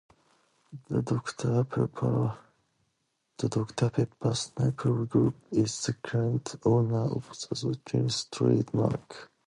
The Doctor Pepper Snapple Group is the current owner of the Schweppes trademark.